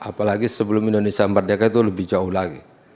apalagi sebelum indonesia merdeka itu lebih jauh lagi